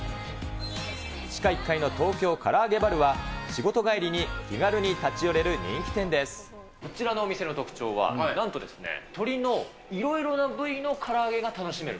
地下１階の東京から揚げバルは、仕事帰りに気軽に立ち寄れる人気こちらのお店の特徴は、なんとですね、鶏のいろいろな部位のから揚げが楽しめる。